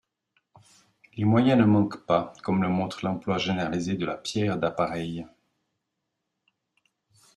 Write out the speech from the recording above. Les moyens ne manquent pas comme le montre l'emploi généralisé de la pierre d'appareil.